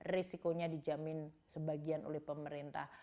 risikonya dijamin sebagian oleh pemerintah